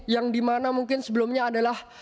yang dimana mungkin sebelumnya adalah